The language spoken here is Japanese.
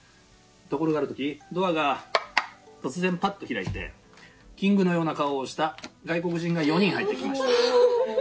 ところがある時ドアが突然パッと開いてキングのような顔をした外国人が４人、入ってきました。